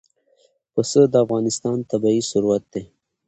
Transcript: پسه د افغانستان طبعي ثروت دی.